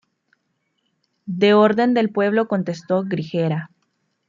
De orden del pueblo contestó Grigera.